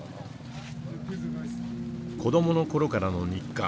子どもの頃からの日課。